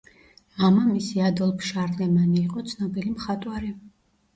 მამამისი ადოლფ შარლემანი იყო ცნობილი მხატვარი.